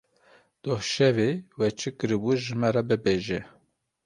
Doh şevê we çi kiribû ji me re bibêje.